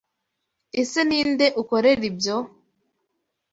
Ese Ninde ukorera ibyo ?